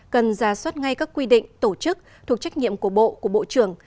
cần ra soát ngay các quy định tổ chức thuộc trách nhiệm của bộ của bộ trưởng